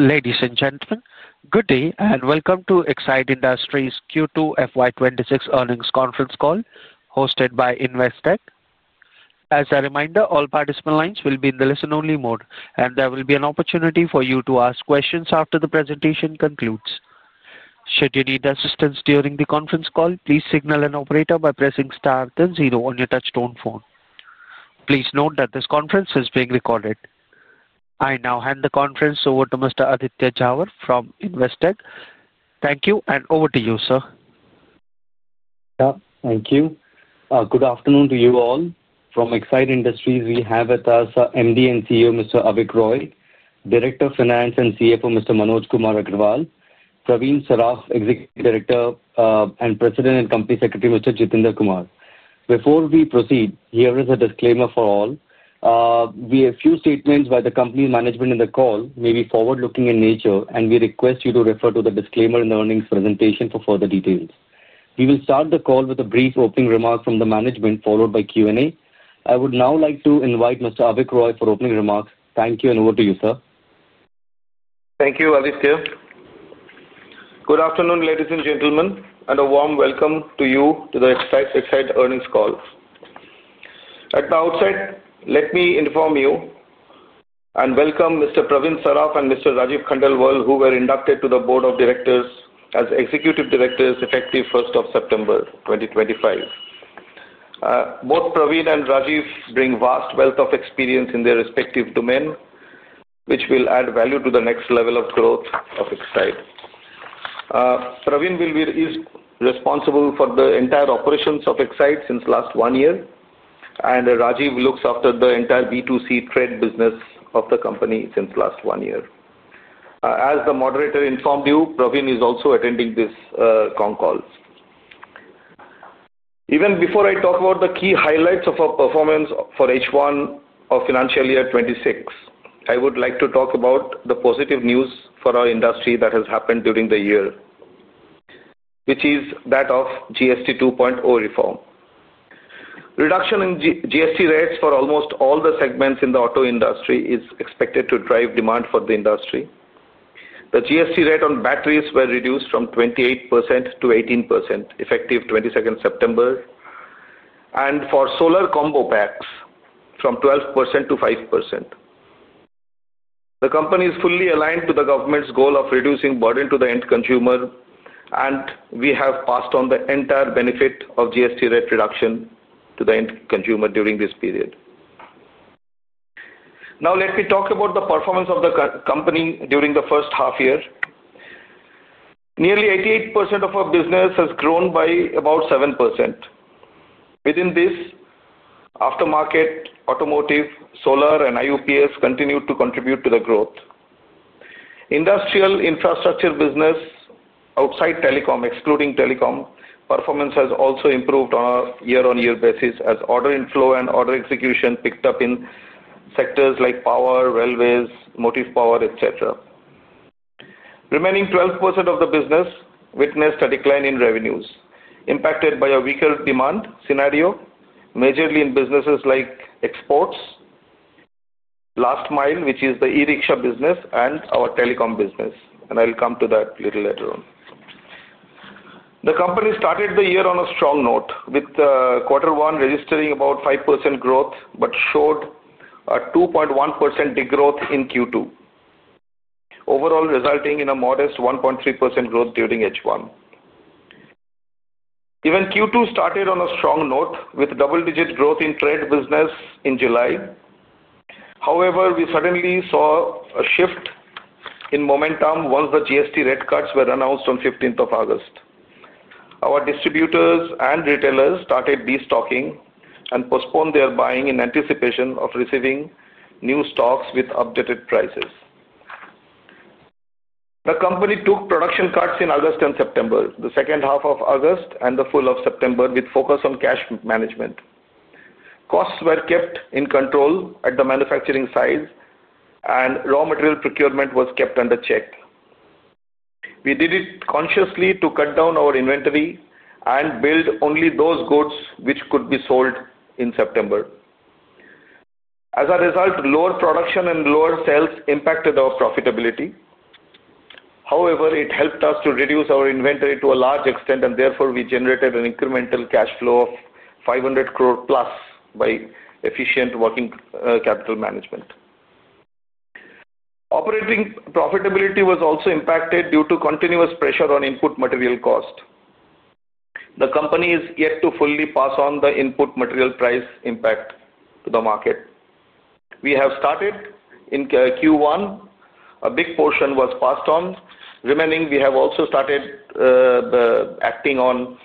Ladies and gentlemen, good day and welcome to Exide Industries Q2 FY 2026 earnings conference call hosted by Investec. As a reminder, all participant lines will be in the listen-only mode, and there will be an opportunity for you to ask questions after the presentation concludes. Should you need assistance during the conference call, please signal an operator by pressing star then zero on your touchstone phone. Please note that this conference is being recorded. I now hand the conference over to Mr. Aditya Jhawar from Investec. Thank you, and over to you, sir. Thank you. Good afternoon to you all. From Exide Industries, we have with us MD and CEO Mr. Avik Roy, Director of Finance and CFO Mr. Manoj Kumar Agarwal, Pravin Saraf, Executive Director and President, and Company Secretary Mr. Jitender Kumar. Before we proceed, here is a disclaimer for all. We have a few statements by the company management in the call, may be forward-looking in nature, and we request you to refer to the disclaimer in the earnings presentation for further details. We will start the call with a brief opening remark from the management, followed by Q&A. I would now like to invite Mr. Avik Roy for opening remarks. Thank you, and over to you, sir. Thank you, Aditya. Good afternoon, ladies and gentlemen, and a warm welcome to you to the Exide earnings call. At the outset, let me inform you and welcome Mr. Pravin Saraf and Mr. Rajeev Khandelwal, who were inducted to the board of directors as Executive Directors effective 1st of September 2025. Both Pravin and Rajeev bring vast wealth of experience in their respective domain, which will add value to the next level of growth of Exide. Pravin is responsible for the entire operations of Exide since last one year, and Rajeev looks after the entire B2C trade business of the company since last one year. As the moderator informed you, Pravin is also attending this con call. Even before I talk about the key highlights of our performance for H1 of financial year 2026, I would like to talk about the positive news for our industry that has happened during the year, which is that of GST 2.0 reform. Reduction in GST rates for almost all the segments in the auto industry is expected to drive demand for the industry. The GST rate on batteries was reduced from 28% to 18% effective 22nd September, and for solar combo packs from 12% to 5%. The company is fully aligned to the government's goal of reducing burden to the end consumer, and we have passed on the entire benefit of GST rate reduction to the end consumer during this period. Now, let me talk about the performance of the company during the first half year. Nearly 88% of our business has grown by about 7%. Within this, aftermarket, automotive, solar, and UPS continue to contribute to the growth. Industrial infrastructure business outside telecom, excluding telecom, performance has also improved on a year-on-year basis as order inflow and order execution picked up in sectors like power, railways, motive power, etc. Remaining 12% of the business witnessed a decline in revenues, impacted by a weaker demand scenario, majorly in businesses like exports, last mile, which is the e-rickshaw business, and our telecom business, and I'll come to that a little later on. The company started the year on a strong note, with quarter one registering about 5% growth but showed a 2.1% degrowth in Q2, overall resulting in a modest 1.3% growth during H1. Even Q2 started on a strong note with double-digit growth in trade business in July. However, we suddenly saw a shift in momentum once the GST rate cuts were announced on 15th of August. Our distributors and retailers started destocking and postponed their buying in anticipation of receiving new stocks with updated prices. The company took production cuts in August and September, the second half of August and the full of September, with focus on cash management. Costs were kept in control at the manufacturing side, and raw material procurement was kept under check. We did it consciously to cut down our inventory and build only those goods which could be sold in September. As a result, lower production and lower sales impacted our profitability. However, it helped us to reduce our inventory to a large extent, and therefore we generated an incremental cash flow of 500+ crore rate efficient working capital management. Operating profitability was also impacted due to continuous pressure on input material cost. The company is yet to fully pass on the input material price impact to the market. We have started in Q1. A big portion was passed on. Remaining, we have also started acting on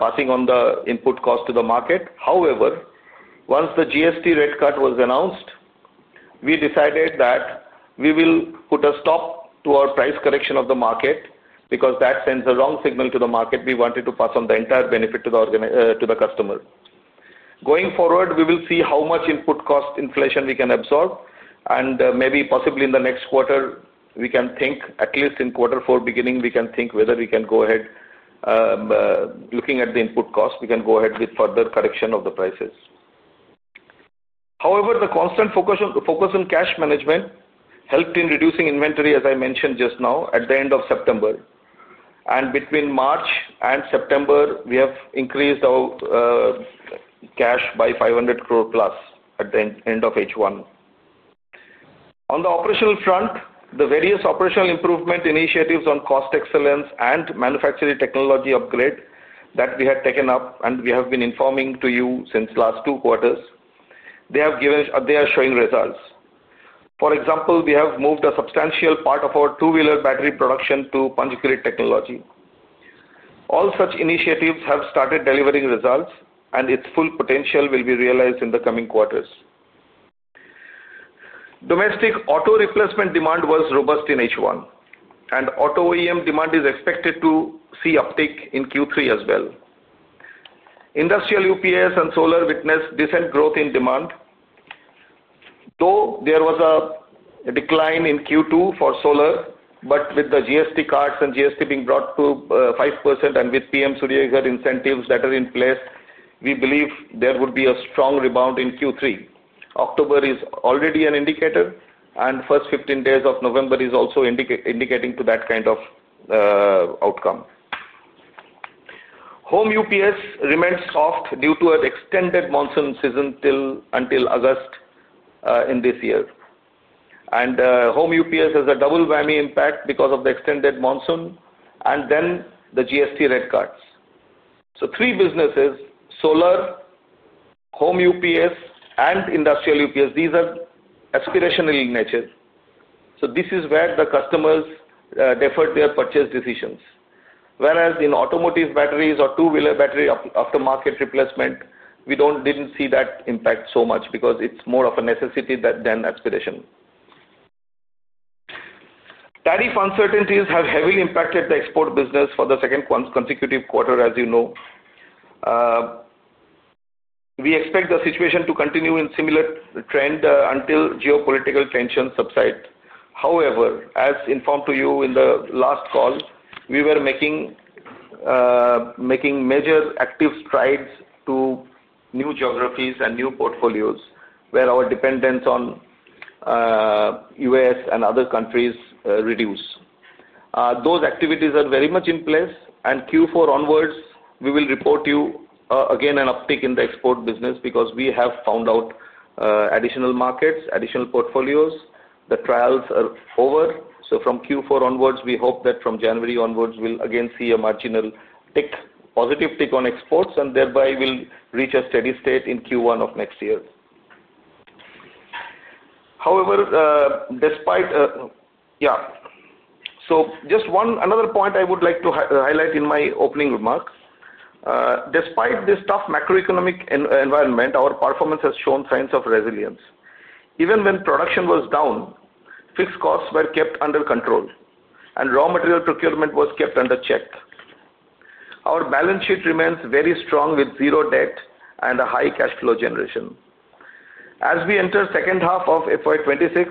passing on the input cost to the market. However, once the GST rate cut was announced, we decided that we will put a stop to our price correction of the market because that sends a wrong signal to the market. We wanted to pass on the entire benefit to the customer. Going forward, we will see how much input cost inflation we can absorb, and maybe possibly in the next quarter, we can think, at least in quarter four beginning, we can think whether we can go ahead looking at the input cost. We can go ahead with further correction of the prices. However, the constant focus on cash management helped in reducing inventory, as I mentioned just now, at the end of September. Between March and September, we have increased our cash by 500+ crore at the end of H1. On the operational front, the various operational improvement initiatives on cost excellence and manufacturing technology upgrade that we had taken up and we have been informing to you since the last two quarters, they are showing results. For example, we have moved a substantial part of our two-wheeler battery production to conjugate technology. All such initiatives have started delivering results, and its full potential will be realized in the coming quarters. Domestic auto replacement demand was robust in H1, and auto OEM demand is expected to see uptake in Q3 as well. Industrial UPS and solar witnessed decent growth in demand. Though there was a decline in Q2 for solar, but with the GST cards and GST being brought to 5% and with PM Surya Ghar incentives that are in place, we believe there would be a strong rebound in Q3. October is already an indicator, and first 15 days of November is also indicating to that kind of outcome. Home UPS remains soft due to an extended monsoon season until August in this year. Home UPS has a double whammy impact because of the extended monsoon and then the GST rate cuts. Three businesses: solar, home UPS, and industrial UPS. These are aspirational in nature. This is where the customers deferred their purchase decisions. Whereas in automotive batteries or two-wheeler battery aftermarket replacement, we did not see that impact so much because it is more of a necessity than aspiration. Tariff uncertainties have heavily impacted the export business for the second consecutive quarter, as you know. We expect the situation to continue in similar trend until geopolitical tensions subside. However, as informed to you in the last call, we were making major active strides to new geographies and new portfolios where our dependence on U.S. and other countries reduced. Those activities are very much in place, and Q4 onwards, we will report to you again an uptick in the export business because we have found out additional markets, additional portfolios. The trials are over. From Q4 onwards, we hope that from January onwards, we'll again see a marginal tick, positive tick on exports, and thereby we'll reach a steady state in Q1 of next year. However, despite, yeah. Just one another point I would like to highlight in my opening remarks. Despite this tough macroeconomic environment, our performance has shown signs of resilience. Even when production was down, fixed costs were kept under control, and raw material procurement was kept under check. Our balance sheet remains very strong with zero debt and a high cash flow generation. As we enter the second half of FY 2026,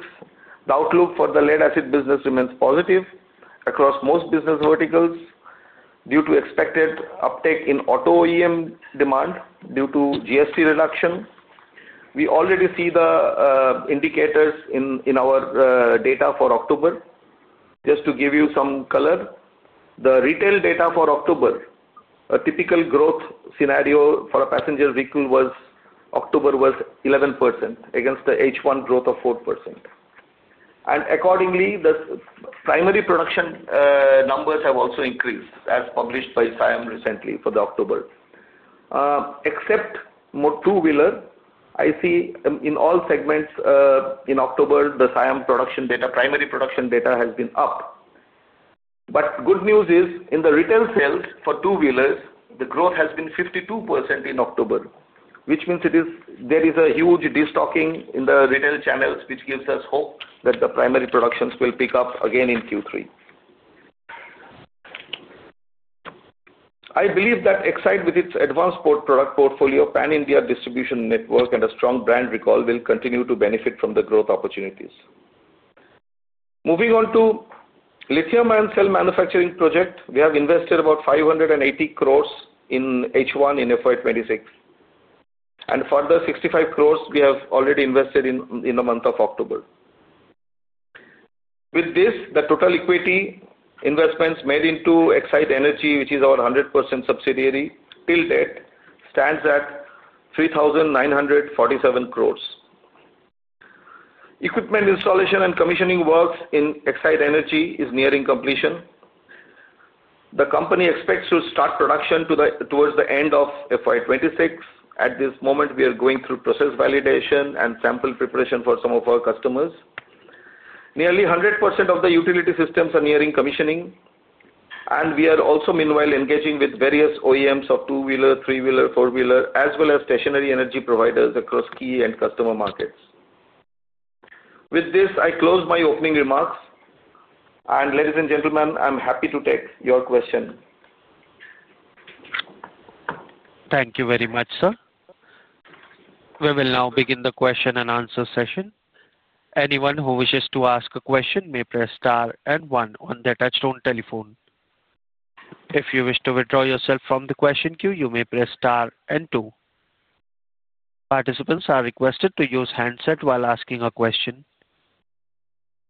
the outlook for the lead-acid business remains positive across most business verticals due to expected uptake in auto OEM demand due to GST reduction. We already see the indicators in our data for October. Just to give you some color, the retail data for October, a typical growth scenario for a passenger vehicle was October was 11% against the H1 growth of 4%. Accordingly, the primary production numbers have also increased, as published by SIAM recently for October. Except two-wheeler, I see in all segments in October, the SIAM production data, primary production data has been up. The good news is in the retail sales for two-wheelers, the growth has been 52% in October, which means there is a huge destocking in the retail channels, which gives us hope that the primary productions will pick up again in Q3. I believe that Exide with its advanced product portfolio, Pan India Distribution Network, and a strong brand recall will continue to benefit from the growth opportunities. Moving on to lithium-ion cell manufacturing project, we have invested about 580 crore in H1 in FY 2026, and further 65 crore we have already invested in the month of October. With this, the total equity investments made into Exide Energy, which is our 100% subsidiary till date, stands at 3,947 crore. Equipment installation and commissioning works in Exide Energy is nearing completion. The company expects to start production towards the end of FY 2026. At this moment, we are going through process validation and sample preparation for some of our customers. Nearly 100% of the utility systems are nearing commissioning, and we are also meanwhile engaging with various OEMs of two-wheeler, three-wheeler, four-wheeler, as well as stationary energy providers across key and customer markets. With this, I close my opening remarks, and ladies and gentlemen, I'm happy to take your question. Thank you very much, sir. We will now begin the question-and-answer session. Anyone who wishes to ask a question may press star and one on their touchstone telephone. If you wish to withdraw yourself from the question queue, you may press star and two. Participants are requested to use handset while asking a question.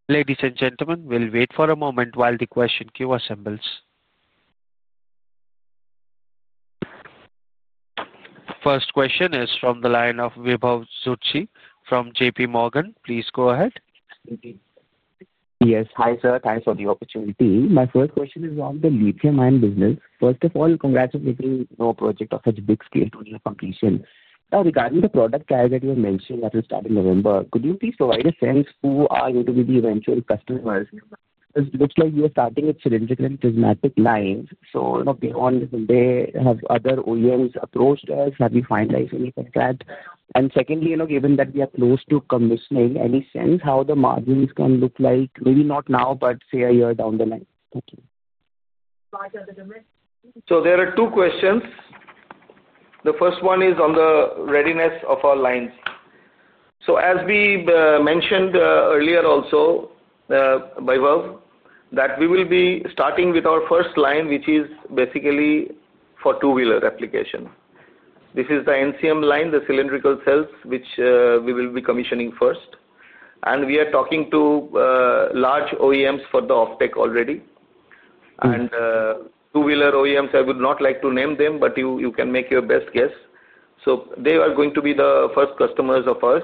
Ladies and gentlemen, we'll wait for a moment while the question queue assembles. First question is from the line of Vibhav Zutshi from JPMorgan. Please go ahead. Yes, hi sir. Thanks for the opportunity. My first question is on the lithium-ion business. First of all, congratulating your project of such big scale to near completion. Regarding the product tag that you have mentioned that will start in November, could you please provide a sense who are going to be the eventual customers? It looks like you are starting with cylindrical and prismatic lines. Beyond that, have other OEMs approached us? Have you finalized any contract? Secondly, given that we are close to commissioning, any sense how the margins can look like, maybe not now, but say a year down the line? Thank you. There are two questions. The first one is on the readiness of our lines. As we mentioned earlier also, Vibhav, we will be starting with our first line, which is basically for two-wheeler application. This is the NCM line, the cylindrical cells, which we will be commissioning first. We are talking to large OEMs for the off-take already. Two-wheeler OEMs, I would not like to name them, but you can make your best guess. They are going to be the first customers of ours.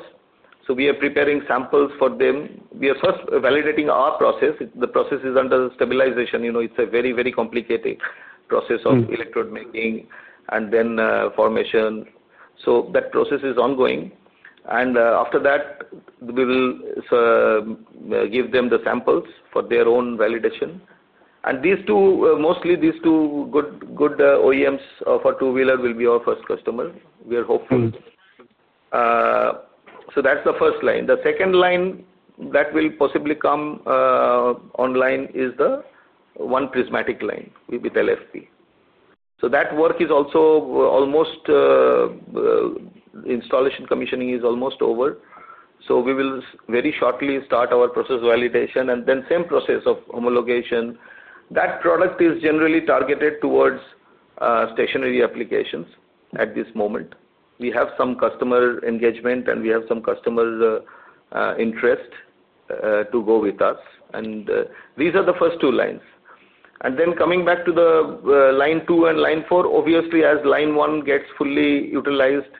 We are preparing samples for them. We are first validating our process. The process is under stabilization. It's a very, very complicated process of electrode making and then formation. That process is ongoing. After that, we will give them the samples for their own validation. Mostly these two good OEMs for two-wheeler will be our first customer. We are hopeful. That is the first line. The second line that will possibly come online is the one prismatic line with LFP. That work is also almost installation commissioning is almost over. We will very shortly start our process validation and then the same process of homologation. That product is generally targeted towards stationary applications at this moment. We have some customer engagement and we have some customer interest to go with us. These are the first two lines. Coming back to the line two and line four, obviously as line one gets fully utilized,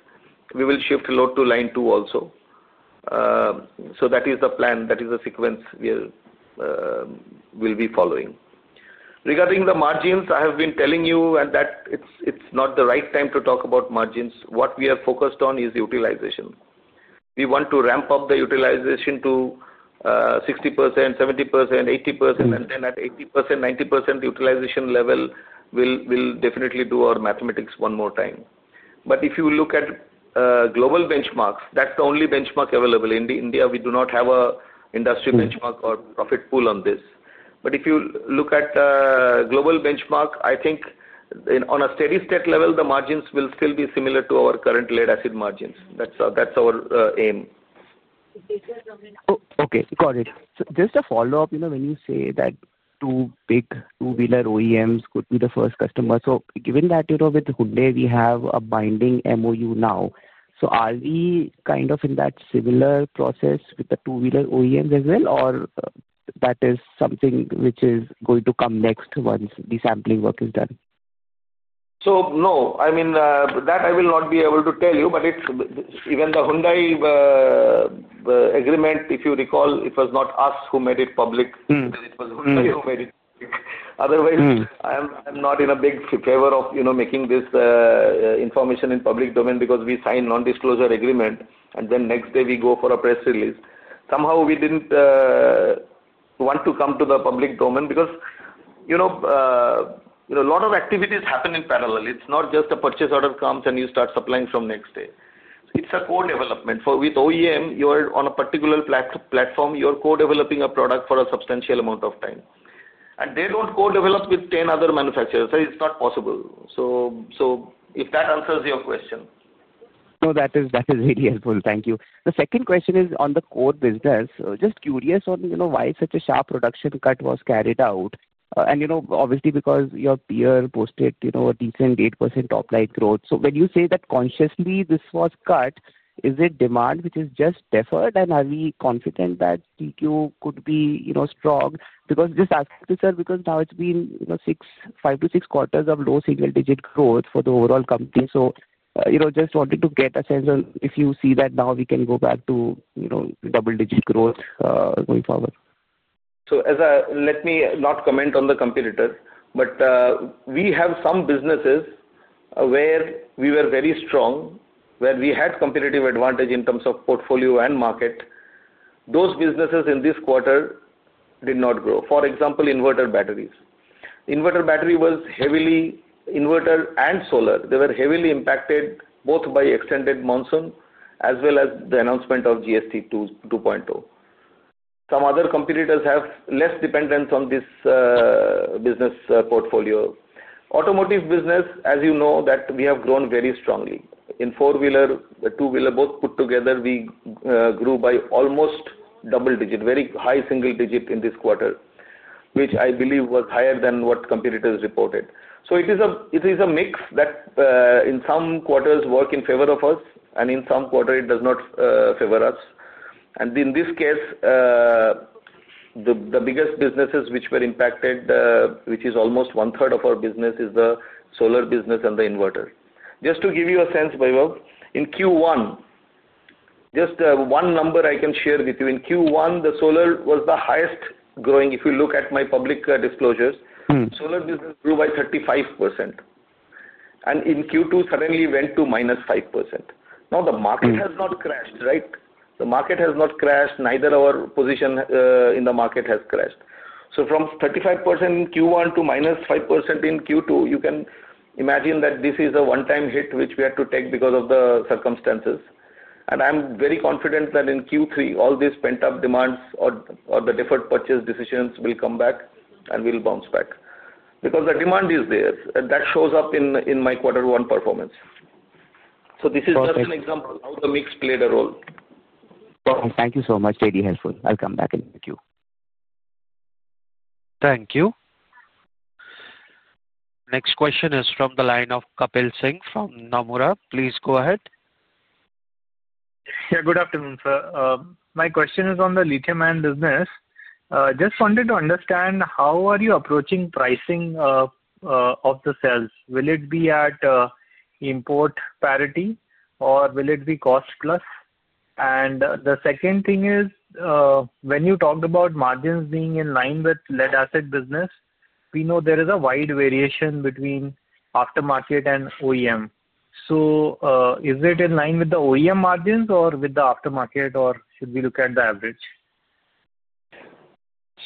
we will shift load to line two also. That is the plan. That is the sequence we will be following. Regarding the margins, I have been telling you that it's not the right time to talk about margins. What we are focused on is utilization. We want to ramp up the utilization to 60%, 70%, 80%, and then at 80%-90% utilization level will definitely do our mathematics one more time. If you look at global benchmarks, that's the only benchmark available. In India, we do not have an industry benchmark or profit pool on this. If you look at global benchmark, I think on a steady state level, the margins will still be similar to our current lead-acid margins. That's our aim. Okay. Got it. Just a follow-up. When you say that two-wheeler OEMs could be the first customer, so given that with Hyundai, we have a binding MOU now, are we kind of in that similar process with the two-wheeler OEMs as well, or is that something which is going to come next once the sampling work is done? No. I mean, that I will not be able to tell you, but even the Hyundai agreement, if you recall, it was not us who made it public. It was Hyundai who made it public. Otherwise, I'm not in a big favor of making this information in public domain because we signed non-disclosure agreement, and then next day we go for a press release. Somehow, we didn't want to come to the public domain because a lot of activities happen in parallel. It's not just a purchase order comes and you start supplying from next day. It's a co-development. With OEM, you are on a particular platform. You are co-developing a product for a substantial amount of time. They don't co-develop with 10 other manufacturers. It's not possible. If that answers your question. No, that is really helpful. Thank you. The second question is on the core business. Just curious on why such a sharp production cut was carried out. Obviously, because your peer posted a decent 8% top-line growth. When you say that consciously this was cut, is it demand which has just deferred, and are we confident that TQ could be strong? Just asking, sir, because now it has been five to six quarters of low single-digit growth for the overall company. Just wanted to get a sense on if you see that now we can go back to double-digit growth going forward. Let me not comment on the competitors, but we have some businesses where we were very strong, where we had competitive advantage in terms of portfolio and market. Those businesses in this quarter did not grow. For example, inverter batteries. Inverter battery was heavily inverter and solar. They were heavily impacted both by extended monsoon as well as the announcement of GST 2.0. Some other competitors have less dependence on this business portfolio. Automotive business, as you know, that we have grown very strongly. In four-wheeler, two-wheeler, both put together, we grew by almost double-digit, very high single-digit in this quarter, which I believe was higher than what competitors reported. It is a mix that in some quarters work in favor of us, and in some quarter it does not favor us. In this case, the biggest businesses which were impacted, which is almost one-third of our business, is the solar business and the inverter. Just to give you a sense, Vibhav, in Q1, just one number I can share with you. In Q1, the solar was the highest growing. If you look at my public disclosures, solar business grew by 35%. In Q2, suddenly went to -5%. Now, the market has not crashed, right? The market has not crashed. Neither our position in the market has crashed. From 35% in Q1 to -5% in Q2, you can imagine that this is a one-time hit which we had to take because of the circumstances. I am very confident that in Q3, all these pent-up demands or the deferred purchase decisions will come back and will bounce back. Because the demand is there, and that shows up in my quarter one performance. This is just an example of how the mix played a role. Thank you so much, really helpful. I'll come back and thank you. Thank you. Next question is from the line of Kapil Singh from Nomura. Please go ahead. Yeah, good afternoon, sir. My question is on the lithium-ion business. Just wanted to understand how are you approaching pricing of the cells? Will it be at import parity, or will it be cost-plus? The second thing is when you talked about margins being in line with lead-acid business, we know there is a wide variation between aftermarket and OEM. Is it in line with the OEM margins or with the aftermarket, or should we look at the average?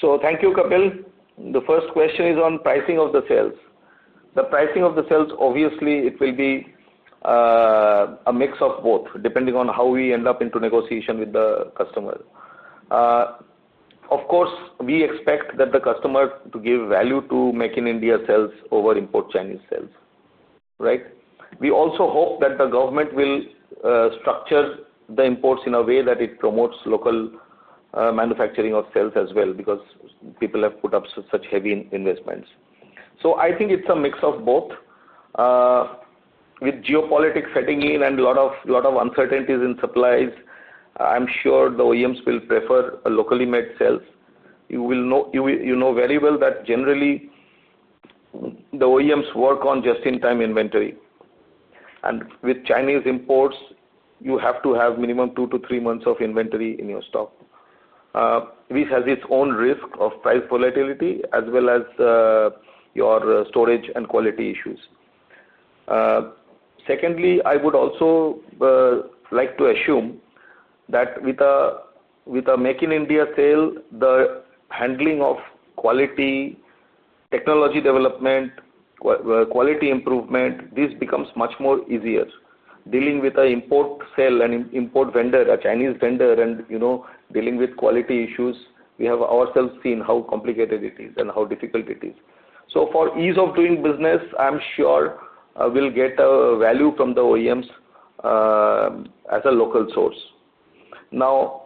Thank you, Kapil. The first question is on pricing of the cells. The pricing of the cells, obviously, it will be a mix of both, depending on how we end up into negotiation with the customer. Of course, we expect that the customer to give value to make in India cells over import Chinese cells, right? We also hope that the government will structure the imports in a way that it promotes local manufacturing of cells as well because people have put up such heavy investments. I think it is a mix of both. With geopolitics setting in and a lot of uncertainties in supplies, I am sure the OEMs will prefer locally made cells. You know very well that generally the OEMs work on just-in-time inventory. With Chinese imports, you have to have minimum two to three months of inventory in your stock. This has its own risk of price volatility as well as your storage and quality issues. Secondly, I would also like to assume that with a make-in-India sale, the handling of quality, technology development, quality improvement, this becomes much more easier. Dealing with an import sale and import vendor, a Chinese vendor, and dealing with quality issues, we have ourselves seen how complicated it is and how difficult it is. For ease of doing business, I'm sure we'll get value from the OEMs as a local source. Now,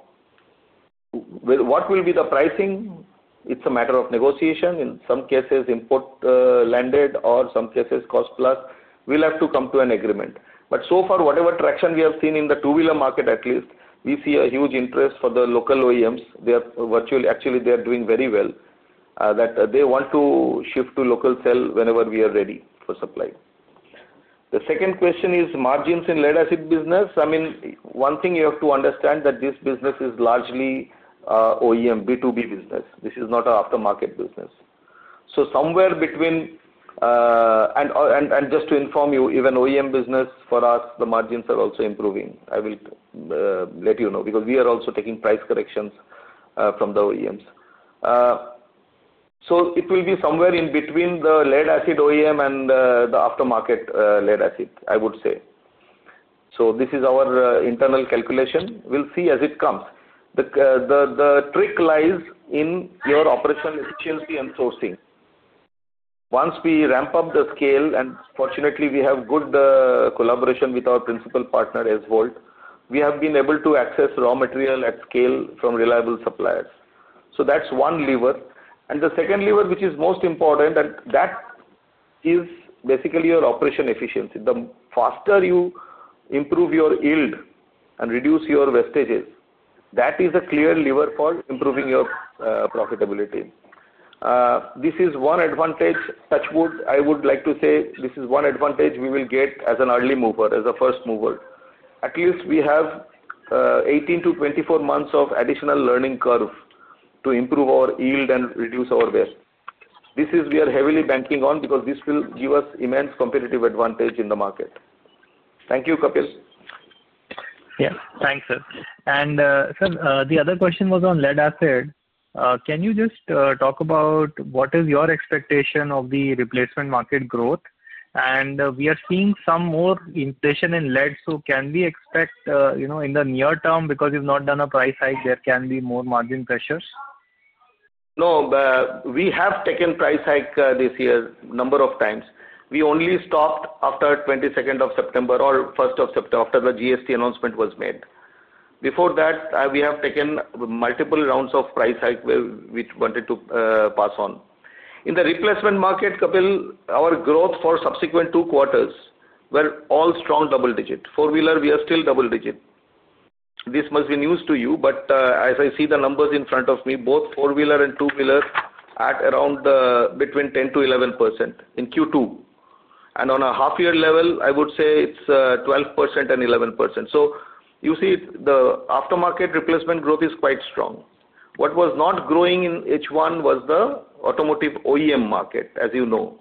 what will be the pricing? It's a matter of negotiation. In some cases, import landed, or some cases, cost-plus. We'll have to come to an agreement. So far, whatever traction we have seen in the two-wheeler market, at least, we see a huge interest for the local OEMs. Actually, they are doing very well that they want to shift to local cell whenever we are ready for supply. The second question is margins in lead-acid business. I mean, one thing you have to understand is that this business is largely OEM B2B business. This is not an aftermarket business. Somewhere between, and just to inform you, even OEM business, for us, the margins are also improving. I will let you know because we are also taking price corrections from the OEMs. It will be somewhere in between the lead-acid OEM and the aftermarket lead-acid, I would say. This is our internal calculation. We will see as it comes. The trick lies in your operational efficiency and sourcing. Once we ramp up the scale, and fortunately, we have good collaboration with our principal partner, SVOLT, we have been able to access raw material at scale from reliable suppliers. That is one lever. The second lever, which is most important, and that is basically your operational efficiency. The faster you improve your yield and reduce your wastages, that is a clear lever for improving your profitability. This is one advantage. Touch wood, I would like to say this is one advantage we will get as an early mover, as a first mover. At least we have 18-24 months of additional learning curve to improve our yield and reduce our waste. This is what we are heavily banking on because this will give us immense competitive advantage in the market. Thank you, Kapil. Yeah. Thanks, sir. Sir, the other question was on lead-acid. Can you just talk about what is your expectation of the replacement market growth? We are seeing some more inflation in lead, so can we expect in the near term, because you have not done a price hike, there can be more margin pressures? No, we have taken price hike this year a number of times. We only stopped after 22nd of September or 1st of September after the GST announcement was made. Before that, we have taken multiple rounds of price hike where we wanted to pass on. In the replacement market, Kapil, our growth for subsequent two quarters were all strong double-digit. Four-wheeler, we are still double-digit. This must be news to you, but as I see the numbers in front of me, both four-wheeler and two-wheeler at around between 10%-11% in Q2. And on a half-year level, I would say it is 12% and 11%. You see the aftermarket replacement growth is quite strong. What was not growing in H1 was the automotive OEM market, as you know.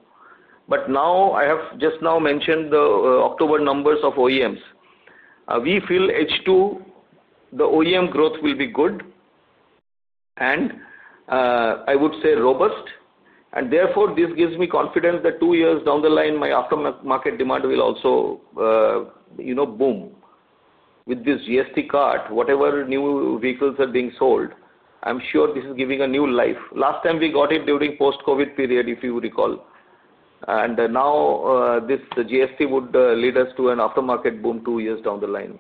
Now I have just now mentioned the October numbers of OEMs. We feel H2, the OEM growth will be good and I would say robust. This gives me confidence that two years down the line, my aftermarket demand will also boom. With this GST cut, whatever new vehicles are being sold, I'm sure this is giving a new life. Last time we got it during post-COVID period, if you recall. Now this GST would lead us to an aftermarket boom two years down the line.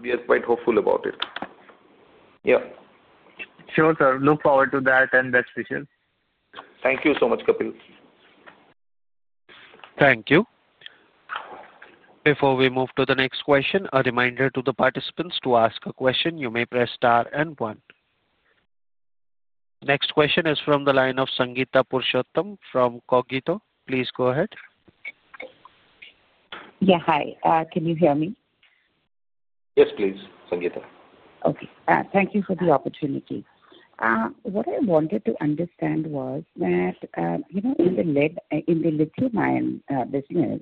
We are quite hopeful about it. Yeah. Sure, sir. Look forward to that and that's for sure. Thank you so much, Kapil. Thank you. Before we move to the next question, a reminder to the participants to ask a question. You may press star and one. Next question is from the line of Sangeeta Purushottam from Cogito. Please go ahead. Yeah, hi. Can you hear me? Yes, please, Sangeeta. Okay. Thank you for the opportunity. What I wanted to understand was that in the lithium-ion business,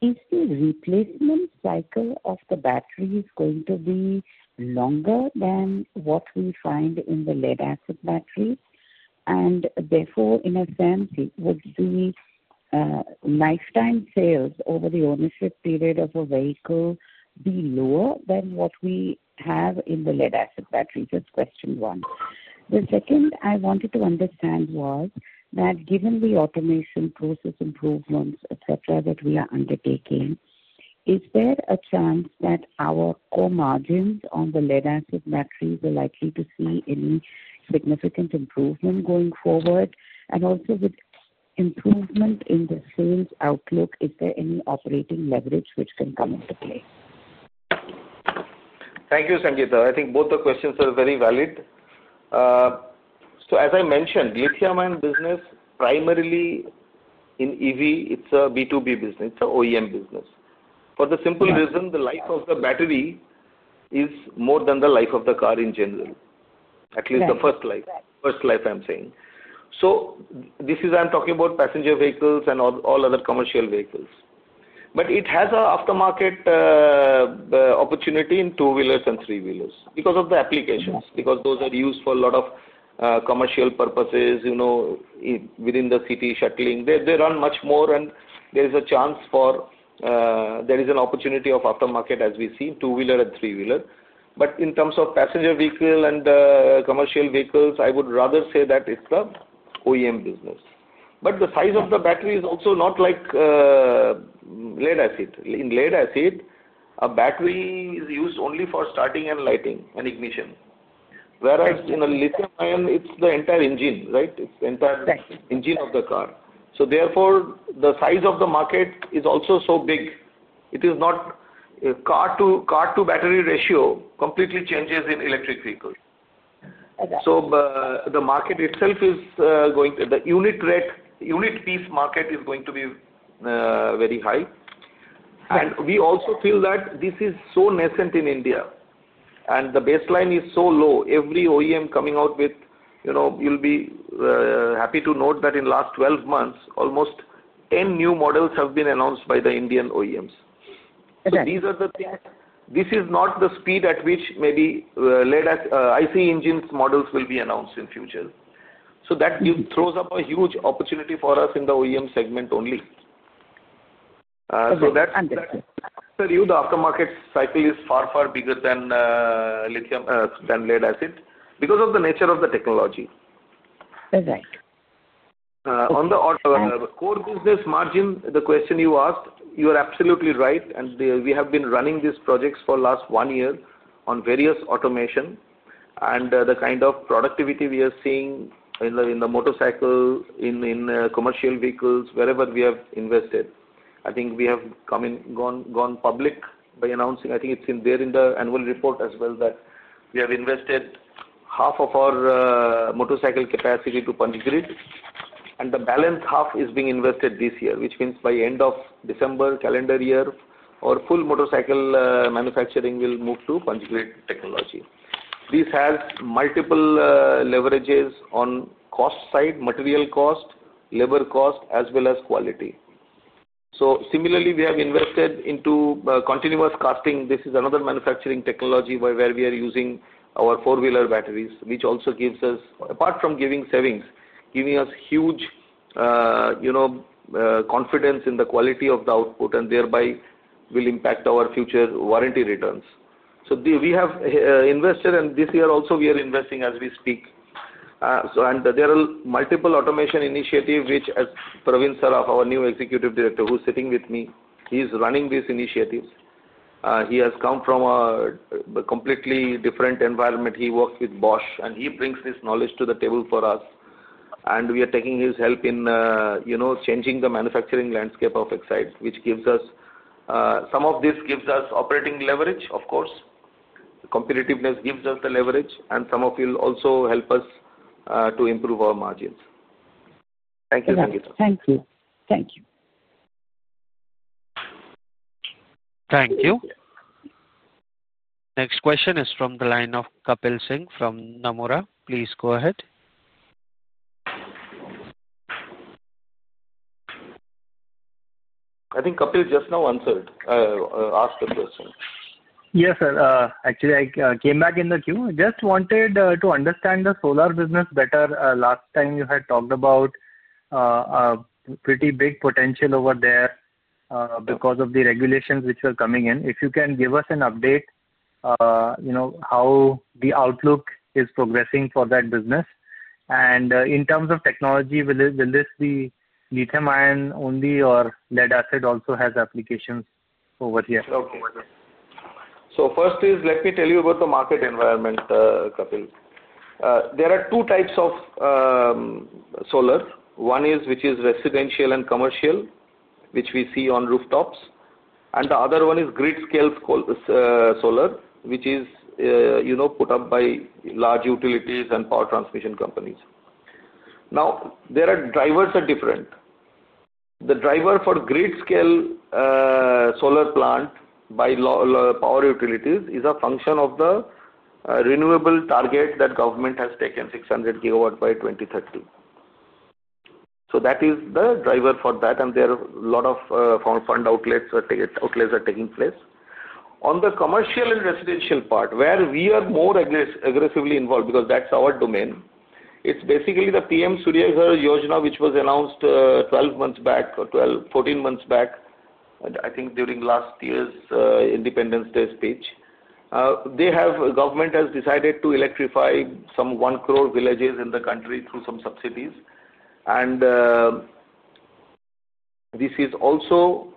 is the replacement cycle of the batteries going to be longer than what we find in the lead-acid batteries? Therefore, in a sense, would the lifetime sales over the ownership period of a vehicle be lower than what we have in the lead-acid batteries? That's question one. The second I wanted to understand was that given the automation process improvements, etc., that we are undertaking, is there a chance that our core margins on the lead-acid batteries are likely to see any significant improvement going forward? Also, with improvement in the sales outlook, is there any operating leverage which can come into play? Thank you, Sangeeta. I think both the questions are very valid. As I mentioned, lithium-ion business, primarily in EV, it's a B2B business. It's an OEM business. For the simple reason, the life of the battery is more than the life of the car in general, at least the first life. Right. First life, I'm saying. This is, I'm talking about passenger vehicles and all other commercial vehicles. It has an aftermarket opportunity in two-wheelers and three-wheelers because of the applications, because those are used for a lot of commercial purposes within the city shuttling. They run much more, and there is a chance for, there is an opportunity of aftermarket, as we see, in two-wheeler and three-wheeler. In terms of passenger vehicle and commercial vehicles, I would rather say that it's the OEM business. The size of the battery is also not like lead-acid. In lead-acid, a battery is used only for starting and lighting and ignition. Whereas in a lithium-ion, it's the entire engine, right? It's the entire engine of the car. Exactly. Therefore, the size of the market is also so big. It is not car-to-battery ratio completely changes in electric vehicles. Exactly. The market itself is going to the unit rate, unit piece market is going to be very high. We also feel that this is so nascent in India, and the baseline is so low. Every OEM coming out with you'll be happy to note that in the last 12 months, almost 10 new models have been announced by the Indian OEMs. Exactly. These are the things. This is not the speed at which maybe ICE engines models will be announced in future. That throws up a huge opportunity for us in the OEM segment only. Okay. Understood. That's sir, you know the aftermarket cycle is far, far bigger than lead-acid because of the nature of the technology. Exactly. On the core business margin, the question you asked, you are absolutely right. We have been running these projects for the last one year on various automation. The kind of productivity we are seeing in the motorcycle, in commercial vehicles, wherever we have invested, I think we have gone public by announcing. I think it is there in the annual report as well that we have invested half of our motorcycle capacity to Punchgrid. The balance half is being invested this year, which means by end of December calendar year, our full motorcycle manufacturing will move to Punchgrid technology. This has multiple leverages on the cost side, material cost, labor cost, as well as quality. Similarly, we have invested into continuous casting. This is another manufacturing technology where we are using our four-wheeler batteries, which also gives us, apart from giving savings, huge confidence in the quality of the output, and thereby will impact our future warranty returns. We have invested, and this year also we are investing as we speak. There are multiple automation initiatives, which, as Pravin Saraf, our new Executive Director, who is sitting with me, is running. He has come from a completely different environment. He worked with Bosch, and he brings this knowledge to the table for us. We are taking his help in changing the manufacturing landscape of Exide, which gives us some of this operating leverage, of course. Competitiveness gives us the leverage, and some of it will also help us to improve our margins. Thank you, Sangeeta. Thank you. Thank you. Thank you. Next question is from the line of Kapil Singh from Nomura. Please go ahead. I think Kapil just now asked the question. Yes, sir. Actually, I came back in the queue. Just wanted to understand the solar business better. Last time, you had talked about a pretty big potential over there because of the regulations which were coming in. If you can give us an update how the outlook is progressing for that business. In terms of technology, will this be lithium-ion only, or lead-acid also has applications over here? Okay. So first is, let me tell you about the market environment, Kapil. There are two types of solar. One is which is residential and commercial, which we see on rooftops. The other one is grid-scale solar, which is put up by large utilities and power transmission companies. Now, the drivers are different. The driver for grid-scale solar plant by power utilities is a function of the renewable target that government has taken, 600 GW by 2030. That is the driver for that, and there are a lot of fund outlets are taking place. On the commercial and residential part, where we are more aggressively involved because that is our domain, it is basically the PM Surya Ghar Yojana, which was announced 12 months back or 14 months back, I think during last year's Independence Day speech. The government has decided to electrify some one crore villages in the country through some subsidies. This is also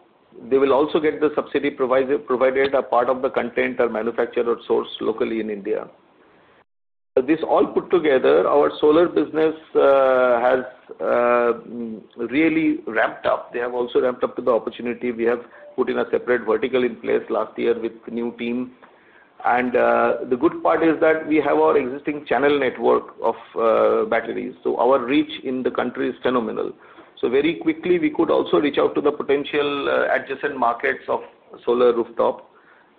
they will also get the subsidy provided a part of the content or manufactured or sourced locally in India. This all put together, our solar business has really ramped up. They have also ramped up to the opportunity. We have put in a separate vertical in place last year with the new team. The good part is that we have our existing channel network of batteries. Our reach in the country is phenomenal. Very quickly, we could also reach out to the potential adjacent markets of solar rooftop,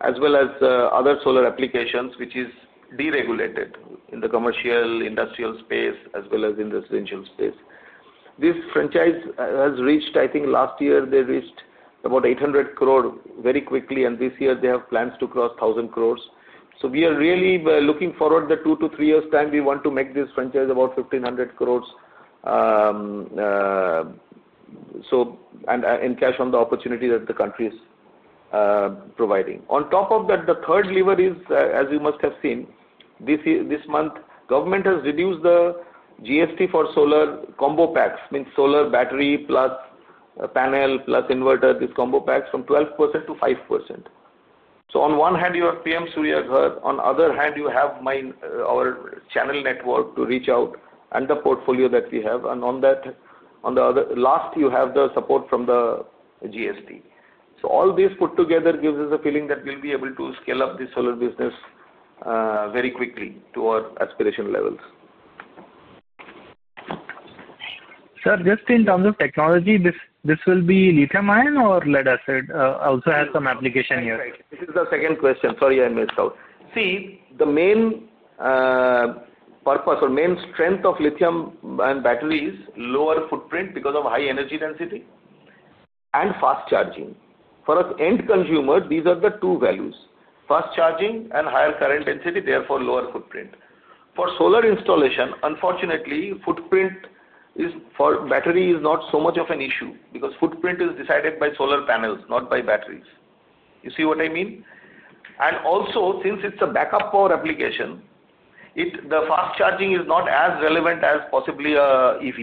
as well as other solar applications, which is deregulated in the commercial, industrial space, as well as in residential space. This franchise has reached, I think last year, they reached about 800 crore very quickly, and this year they have plans to cross 1,000 crore. We are really looking forward the two to three years' time. We want to make this franchise about 1,500 crore, and in cash on the opportunity that the country is providing. On top of that, the third lever is, as you must have seen, this month, government has reduced the GST for solar combo packs, means solar battery plus panel plus inverter, these combo packs from 12% to 5%. On one hand, you have PM Surya Ghar; on the other hand, you have our channel network to reach out and the portfolio that we have. On the last, you have the support from the GST. All this put together gives us a feeling that we'll be able to scale up this solar business very quickly to our aspiration levels. Sir, just in terms of technology, this will be lithium-ion or lead-acid? It also has some application here. Right. This is the second question. Sorry, I missed out. See, the main purpose or main strength of lithium-ion battery is lower footprint because of high energy density and fast charging. For us end consumers, these are the two values: fast charging and higher current density, therefore lower footprint. For solar installation, unfortunately, footprint for battery is not so much of an issue because footprint is decided by solar panels, not by batteries. You see what I mean? Also, since it's a backup power application, the fast charging is not as relevant as possibly EV.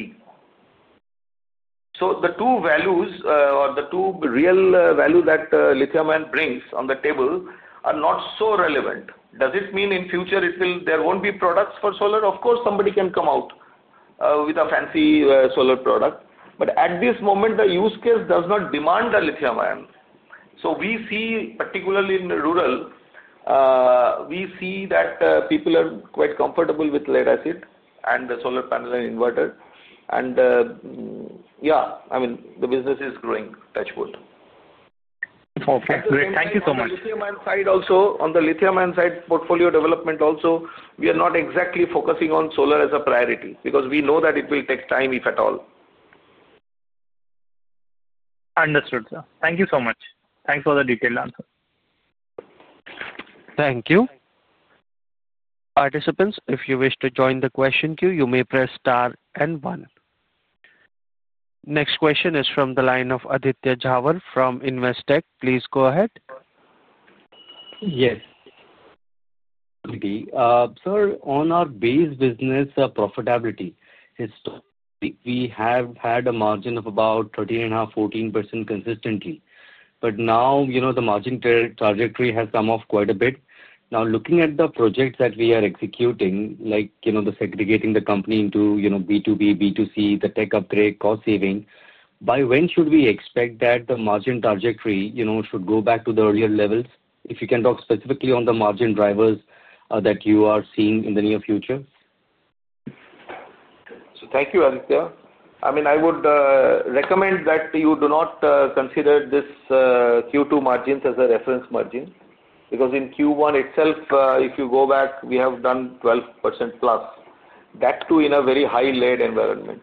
The two values or the two real values that lithium-ion brings on the table are not so relevant. Does it mean in future there won't be products for solar? Of course, somebody can come out with a fancy solar product. At this moment, the use case does not demand lithium-ion. We see, particularly in rural, we see that people are quite comfortable with lead-acid and the solar panel and inverter. Yeah, I mean, the business is growing, touch wood. Okay. Great. Thank you so much. On the lithium-ion side, also on the lithium-ion side portfolio development, also we are not exactly focusing on solar as a priority because we know that it will take time, if at all. Understood, sir. Thank you so much. Thanks for the detailed answer. Thank you. Participants, if you wish to join the question queue, you may press star and one. Next question is from the line of Aditya Jhawar from Investec. Please go ahead. Yes. Okay. Sir, on our base business profitability history, we have had a margin of about 13.5%-14% consistently. Now the margin trajectory has come off quite a bit. Now, looking at the projects that we are executing, like segregating the company into B2B, B2C, the tech upgrade, cost saving, by when should we expect that the margin trajectory should go back to the earlier levels? If you can talk specifically on the margin drivers that you are seeing in the near future. Thank you, Aditya. I mean, I would recommend that you do not consider this Q2 margin as a reference margin because in Q1 itself, if you go back, we have done 12% plus. That too in a very high-layered environment.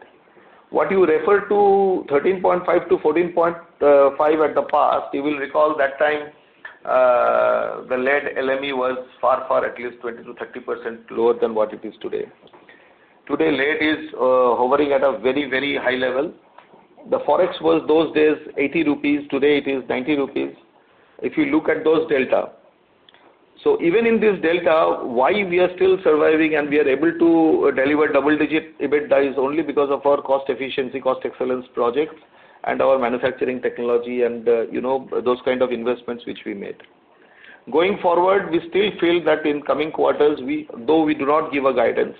What you refer to as 13.5%-14.5% in the past, you will recall that time the lead LME was far, far at least 20%-30% lower than what it is today. Today, lead is hovering at a very, very high level. The forex was those days 80 rupees. Today, it is 90 rupees. If you look at those delta, so even in this delta, why we are still surviving and we are able to deliver double-digit EBITDA is only because of our cost efficiency, cost excellence projects, and our manufacturing technology and those kind of investments which we made. Going forward, we still feel that in coming quarters, though we do not give a guidance,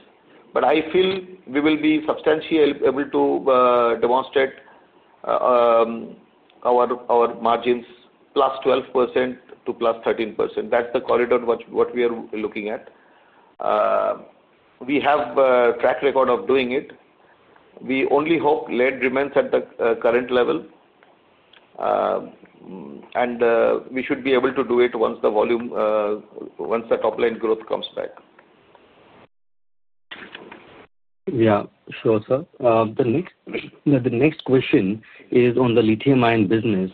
but I feel we will be substantially able to demonstrate our margins +12% to +13%. That is the corridor what we are looking at. We have a track record of doing it. We only hope lead remains at the current level, and we should be able to do it once the volume, once the top-line growth comes back. Yeah. Sure, sir. The next question is on the lithium-ion business.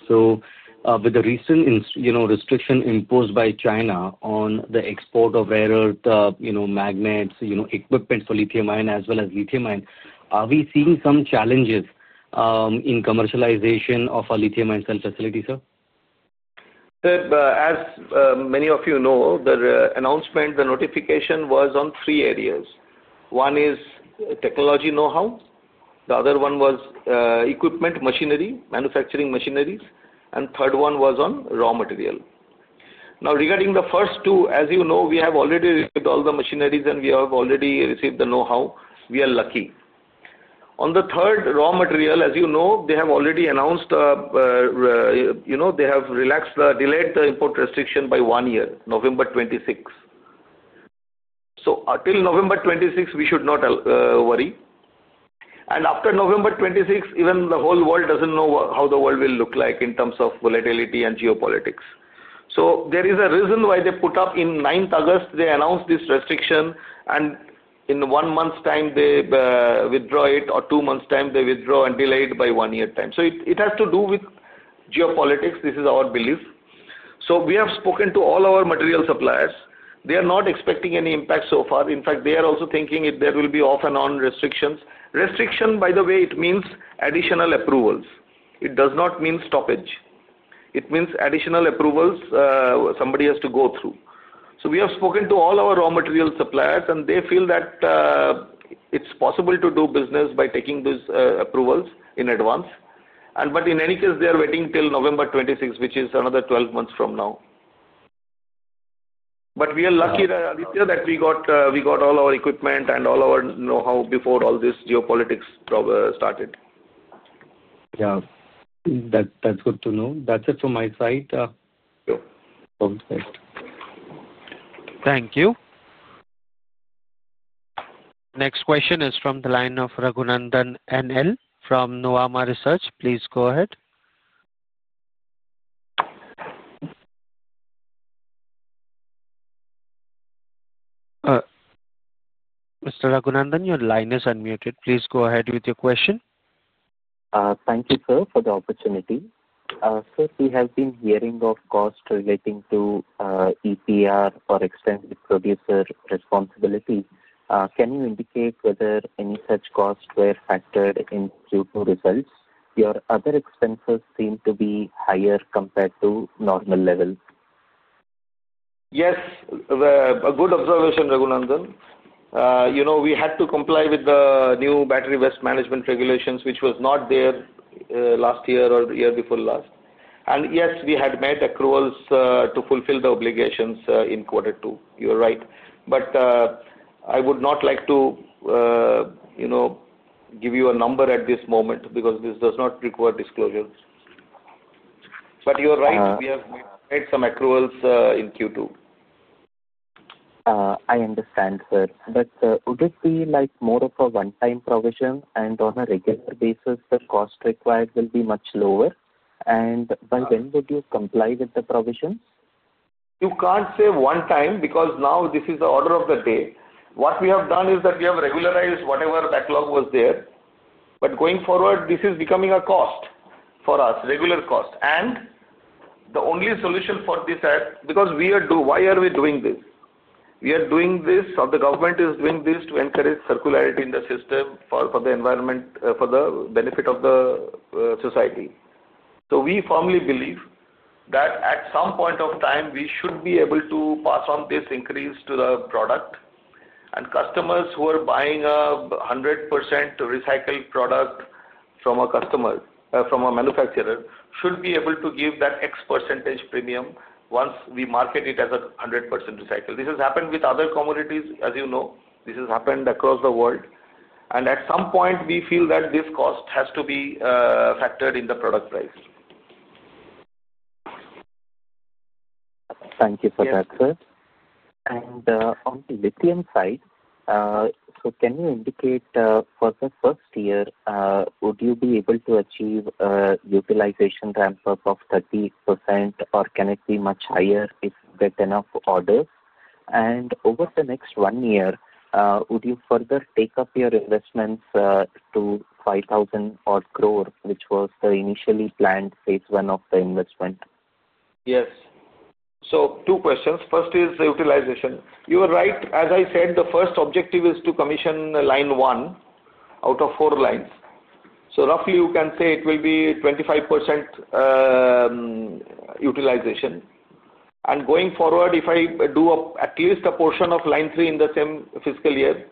With the recent restriction imposed by China on the export of rare earth magnets, equipment for lithium-ion as well as lithium-ion, are we seeing some challenges in commercialization of our lithium-ion cell facility, sir? Sir, as many of you know, the announcement, the notification was on three areas. One is technology know-how. The other one was equipment machinery, manufacturing machineries. The third one was on raw material. Now, regarding the first two, as you know, we have already received all the machineries, and we have already received the know-how. We are lucky. On the third, raw material, as you know, they have already announced they have delayed the import restriction by one year, November 2026. Until November 2026, we should not worry. After November 2026, even the whole world does not know how the world will look like in terms of volatility and geopolitics. There is a reason why they put up in 9th August, they announced this restriction, and in one month's time, they withdraw it, or two months' time, they withdraw and delay it by one year's time. It has to do with geopolitics. This is our belief. We have spoken to all our material suppliers. They are not expecting any impact so far. In fact, they are also thinking there will be off-and-on restrictions. Restriction, by the way, means additional approvals. It does not mean stoppage. It means additional approvals somebody has to go through. We have spoken to all our raw material suppliers, and they feel that it is possible to do business by taking those approvals in advance. In any case, they are waiting till November 26, which is another 12 months from now. We are lucky, Aditya, that we got all our equipment and all our know-how before all this geopolitics started. Yeah. That's good to know. That's it from my side. Sure. Thank you. Next question is from the line of Raghunandhan N.L. from Nuvama Research. Please go ahead. Mr. Raghunandhan, your line is unmuted. Please go ahead with your question. Thank you, sir, for the opportunity. Sir, we have been hearing of costs relating to EPR or extended producer responsibility. Can you indicate whether any such costs were factored into results? Your other expenses seem to be higher compared to normal levels. Yes. A good observation, Raghunandhan. We had to comply with the new battery waste management regulations, which was not there last year or the year before last. Yes, we had made accruals to fulfill the obligations in quarter two. You're right. I would not like to give you a number at this moment because this does not require disclosure. You're right. We have made some accruals in Q2. I understand, sir. Would it be more of a one-time provision, and on a regular basis, the cost required will be much lower? By when would you comply with the provisions? You can't say one time because now this is the order of the day. What we have done is that we have regularized whatever backlog was there. Going forward, this is becoming a cost for us, regular cost. The only solution for this, because why are we doing this? We are doing this, or the government is doing this to encourage circularity in the system for the environment, for the benefit of the society. We firmly believe that at some point of time, we should be able to pass on this increase to the product. Customers who are buying a 100% recycled product from a manufacturer should be able to give that X percentage premium once we market it as a 100% recycled. This has happened with other commodities, as you know. This has happened across the world. At some point, we feel that this cost has to be factored in the product price. Thank you for that, sir. On the lithium side, can you indicate for the first year, would you be able to achieve a utilization ramp-up of 38%, or can it be much higher if there are enough orders? Over the next one year, would you further take up your investments to 5,000 crore, which was the initially planned phase one of the investment? Yes. Two questions. First is utilization. You are right. As I said, the first objective is to commission line one out of four lines. Roughly, you can say it will be 25% utilization. Going forward, if I do at least a portion of line three in the same fiscal year,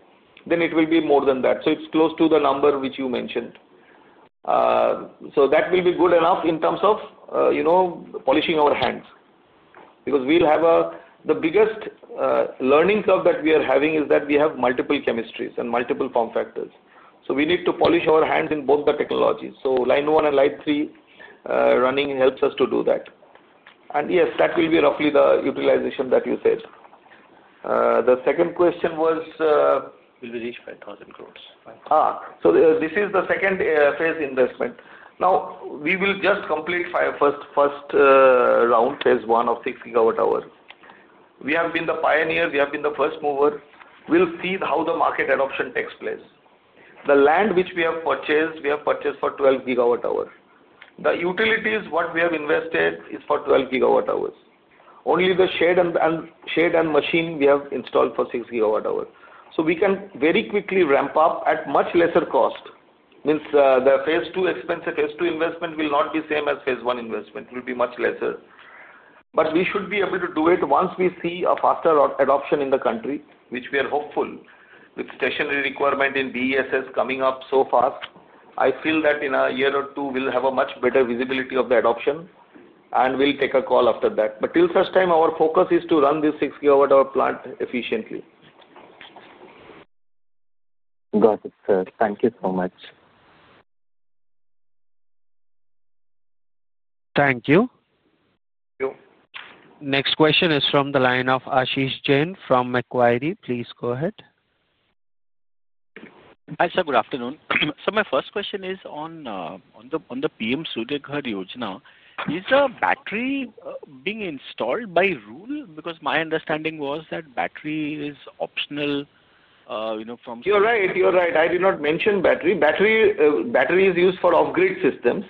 then it will be more than that. It is close to the number which you mentioned. That will be good enough in terms of polishing our hands because the biggest learning curve that we are having is that we have multiple chemistries and multiple form factors. We need to polish our hands in both the technologies. Line one and line three running helps us to do that. Yes, that will be roughly the utilization that you said. The second question was. Will we reach 5,000 crore? This is the second phase investment. Now, we will just complete first round, phase one of 6 GWh. We have been the pioneers. We have been the first mover. We'll see how the market adoption takes place. The land which we have purchased, we have purchased for 12 GWh. The utilities, what we have invested is for 12 GWh. Only the shed and machine we have installed for 6 GWh. We can very quickly ramp up at much lesser cost. Means the phase two expense, the phase two investment will not be the same as phase one investment. It will be much lesser. We should be able to do it once we see a faster adoption in the country, which we are hopeful with stationary requirement in BESS coming up so fast. I feel that in a year or two, we'll have a much better visibility of the adoption, and we'll take a call after that. Till such time, our focus is to run this 6 GWh plant efficiently. Got it, sir. Thank you so much. Thank you. Thank you. Next question is from the line of Ashish Jain from Macquarie. Please go ahead. Hi, sir. Good afternoon. My first question is on the PM Surya Ghar Yojana. Is the battery being installed by rule? Because my understanding was that battery is optional from. You're right. I did not mention battery. Battery is used for off-grid systems.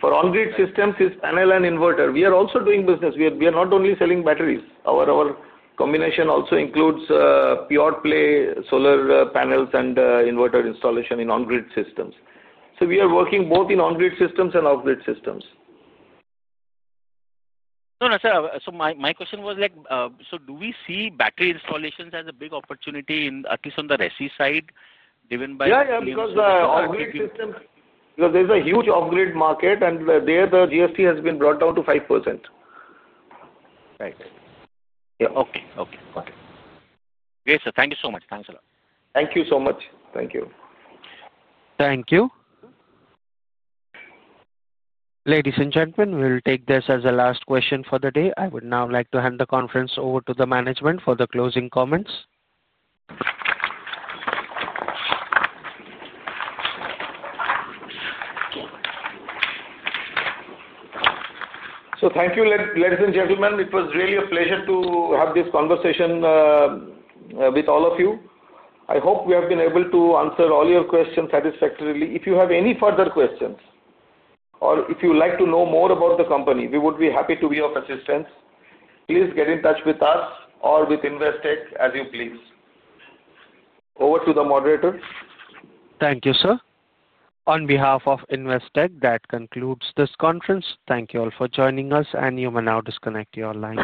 For on-grid systems, it's panel and inverter. We are also doing business. We are not only selling batteries. Our combination also includes pure-play solar panels and inverter installation in on-grid systems. We are working both in on-grid systems and off-grid systems. No, no, sir. My question was, do we see battery installations as a big opportunity, at least on the resi side given by. Yeah, yeah, because there's a huge off-grid market, and there the GST has been brought down to 5%. Right. Yeah. Okay. Great, sir. Thank you so much. Thanks a lot. Thank you so much. Thank you. Thank you. Ladies and gentlemen, we'll take this as the last question for the day. I would now like to hand the conference over to the management for the closing comments. Thank you, ladies and gentlemen. It was really a pleasure to have this conversation with all of you. I hope we have been able to answer all your questions satisfactorily. If you have any further questions or if you'd like to know more about the company, we would be happy to be of assistance. Please get in touch with us or with Investec as you please. Over to the moderator. Thank you, sir. On behalf of Investec, that concludes this conference. Thank you all for joining us, and you may now disconnect your line.